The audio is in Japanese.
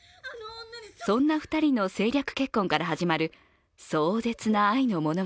そんな２人の政略結婚から始まる壮絶な愛の物語。